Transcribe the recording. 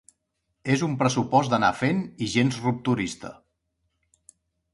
És un pressupost d’anar fent i gens rupturista.